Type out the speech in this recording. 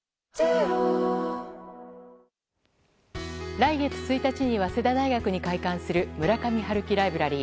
来月１日に早稲田大学に開館する村上春樹ライブラリー。